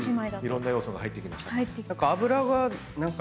いろんな要素が入ってきましたか。